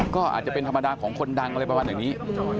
ก็อาจจะเป็นธรรมดาของคนดังอะไรประมาณอย่างนี้